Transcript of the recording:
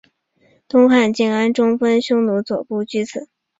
东汉建安中分匈奴左部居此。